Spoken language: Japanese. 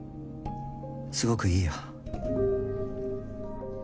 すごくいいよ。